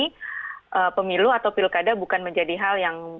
karena beberapa survei yang dilakukan misalnya menunjukkan bahwa di situasi pandemi seperti ini